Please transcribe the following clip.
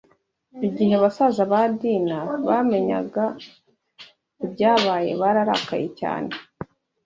Igihe basaza ba Dina bamenyaga ibyabaye, bararakaye cyane